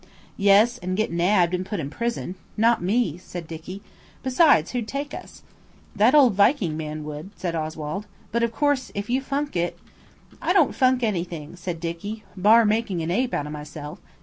"Yes, and get nabbed and put in prison. Not me," said Dicky. "Besides, who'd take us?" "That old Viking man would," said Oswald; "but of course, if you funk it!" "I don't funk anything," said Dicky, "bar making an ape of myself.